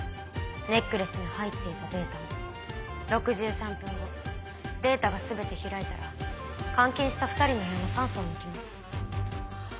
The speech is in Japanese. ネックレスに入っていたデータも６３分後データが全て開いたら監禁した２人の部屋の酸素を抜きます。